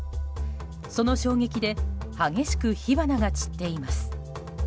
その衝撃で激しく火花が散っています。